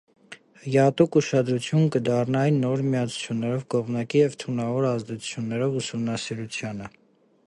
Յատուկ ուշադրութիւն կը դառնայ նոր միացութիւններու կողմնակի եւ թունաւոր ազդեցութիւններու ուսումնասիրութեանը։